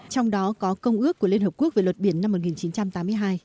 trong đó có công ước của liên hợp quốc về luật biển năm một nghìn chín trăm tám mươi hai